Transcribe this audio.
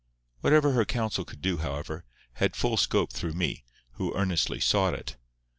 Whatever her counsel could do, however, had full scope through me, who earnestly sought it.